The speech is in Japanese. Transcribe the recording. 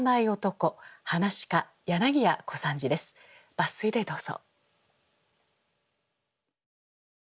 抜粋でどうぞ。